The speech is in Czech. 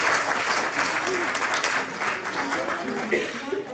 Zařízení kostela bylo soudobé se stavbou.